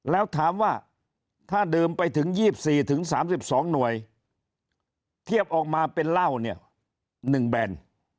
แล้วถามว่าถ้าดื่มไปถึง๒๔๓๒หน่วยเทียบออกมาเป็นเหล้าเนี่ย๑แบน